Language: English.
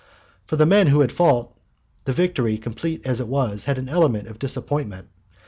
For the men who had fought, the victory, complete as it was, had an element of disappointment.